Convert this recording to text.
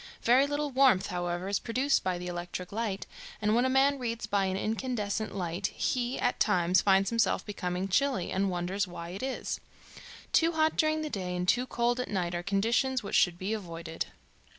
Very little warmth, however, is produced by the electric light, and when a man reads by an incandescent light he at times finds himself becoming chilly, and wonders why it is. Too hot during the day and too cold at night are conditions which should be avoided."